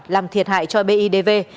làm thiệt hại cho bidv